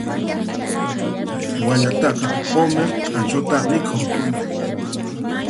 Wallataqa q'umir q'achuta mikhun.